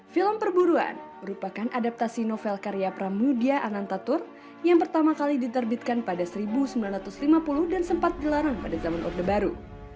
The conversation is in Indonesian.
film perburuan merupakan adaptasi novel karya pramudia anantatur yang pertama kali diterbitkan pada seribu sembilan ratus lima puluh dan sempat gelaran pada zaman orde baru